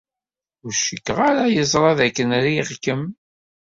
Ur cikkeɣ ara yeẓra dakken riɣ-kem.